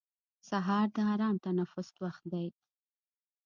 سهار د ارام تنفس وخت دی.